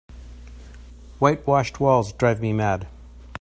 White washed walls drive me mad.